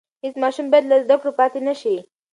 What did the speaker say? هېڅ ماشوم بايد له زده کړو پاتې نشي.